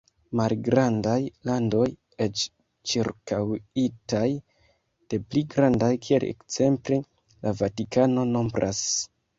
Malgrandaj landoj, eĉ ĉirkaŭitaj de pli grandaj, kiel ekzemple la Vatikano, nombras.